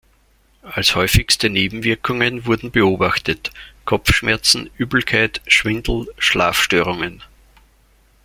Als häufigste Nebenwirkungen wurden beobachtet: Kopfschmerzen, Übelkeit, Schwindel, Schlafstörungen.